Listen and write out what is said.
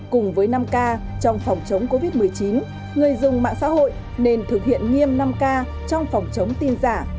cùng với năm k trong phòng chống covid một mươi chín người dùng mạng xã hội nên thực hiện nghiêm năm k trong phòng chống tin giả